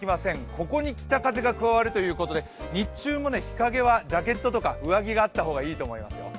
ここに北風が加わるということで日中も日陰はジャケットとか上着があった方がいいと思いますよ。